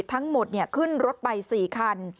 ทั้งหมดขึ้นรถไป๔คัน